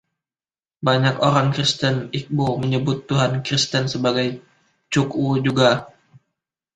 Banyak orang Kristen Igbo menyebut Tuhan Kristen sebagai Chukwu juga.